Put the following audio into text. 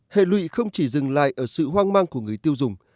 hệ lụy không chỉ dừng lại ở sự hoang mang của người tiêu dùng